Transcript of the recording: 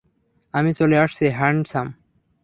আমি চলে আসছি, হ্যান্ডসাম।